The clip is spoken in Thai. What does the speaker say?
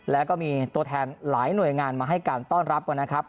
แล้วก็มีตัวแทนหลายหน่วยงานมาให้การต้อนรับกันนะครับ